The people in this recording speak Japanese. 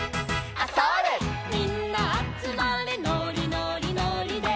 「みんなあつまれのりのりのりで」